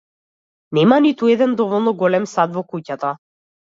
Нема ниту еден доволно голем сад во куќата.